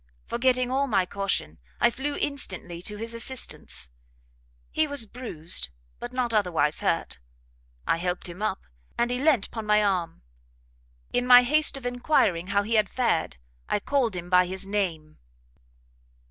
Forgetting all my caution, I flew instantly to his assistance; he was bruised, but not otherwise hurt; I helpt him up, and he leant 'pon my arm; in my haste of enquiring how he had fared, I called him by his name.